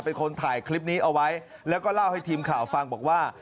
เป็นคนถ่ายคลิปนี้เอาไว้แล้วก็เล่าให้ทีมข่าวฟังบอกว่า